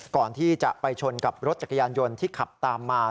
ก่อนที่จะไปชนกับรถจักรยานยนต์ที่ขับตามมา